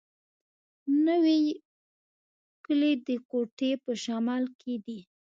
نوی کلی د کوټي په شمال کي دی.